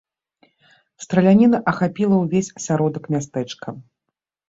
Страляніна ахапіла ўвесь асяродак мястэчка.